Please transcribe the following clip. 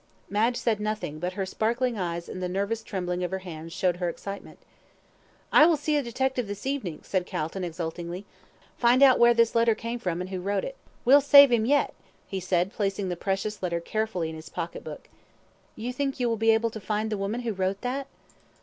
Madge said nothing, but her sparkling eyes and the nervous trembling of her hands showed her excitement. "I will see a detective this evening," said Calton, exultingly, "find out where this letter came from, and who wrote it. We'll save him yet," he said, placing the precious letter carefully in his pocket book. "You think that you will be able to find the woman who wrote that?"